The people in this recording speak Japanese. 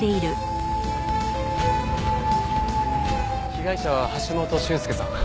被害者は橋本俊介さん。